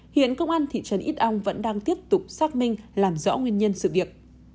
hiện công an thị trấn ít ong vẫn đang tiếp tục xác minh làm rõ nguyên nhân sự việc